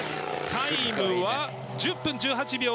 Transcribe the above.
タイムは１０分１８秒２。